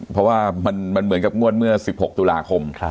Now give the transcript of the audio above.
เพราะว่ามันเหมือนกับงวดเมื่อ๑๖ตุลาคม